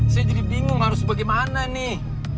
saya jadi bingung harus bagaimana nih